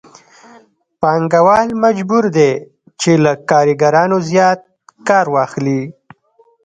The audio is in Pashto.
پانګوال مجبور دی چې له کارګرانو زیات کار واخلي